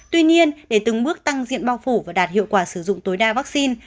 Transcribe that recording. tuy nhiên để từng bước tăng diện bao phủ và đạt hiệu quả sử dụng tối đa vaccine